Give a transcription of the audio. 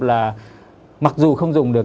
là mặc dù không dùng được